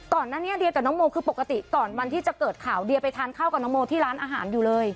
ก่อนหน้านี้เดียกับน้องโมคือปกติก่อนวันที่จะเกิดข่าวเดียไปทานข้าวกับน้องโมที่ร้านอาหารอยู่เลย